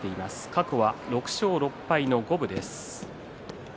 過去は６勝６敗の五分です。